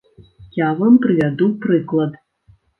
Я вам прывяду прыклад.